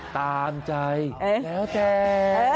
ตามใจแล้วแต่